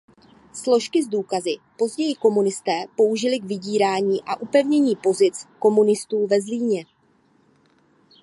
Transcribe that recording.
Složky s důkazy později komunisté použili k vydírání a upevnění pozic komunistů ve Zlíně.